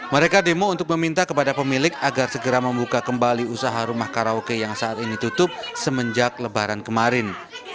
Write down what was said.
mereka demo untuk meminta kepada pemilik agar segera membuka kembali usaha rumah karaoke yang saat ini tutup semenjak lebaran kemarin